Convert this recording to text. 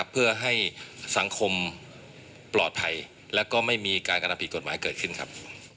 เพื่อให้สังคมปลอดภัยและก็ไม่มีการกระทำผิดกฎหมายเกิดขึ้นครับ